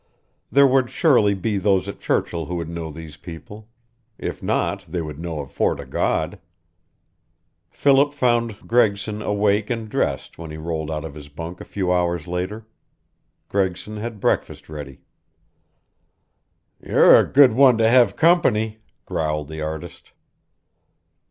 There would surely be those at Churchill who would know these people; if not, they would know of Fort o' God. Philip found Gregson awake and dressed when he rolled out of his bunk a few hours later. Gregson had breakfast ready. "You're a good one to have company," growled the artist.